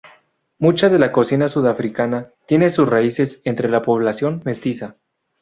Mucha de la cocina sudafricana tiene sus raíces entre la población mestiza.